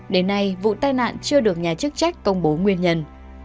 đến nay vụ tai nạn chưa được nhà chức trách công bố nguyên nhân